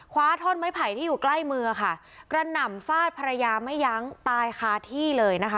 คว้าท่อนไม้ไผ่ที่อยู่ใกล้มือค่ะกระหน่ำฟาดภรรยาไม่ยั้งตายคาที่เลยนะคะ